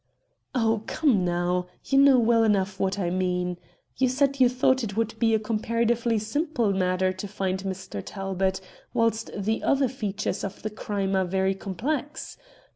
"Oh, come now, you know well enough what I mean. You said you thought it would be a comparatively simple matter to find Mr. Talbot, whilst the other features of the crime are very complex.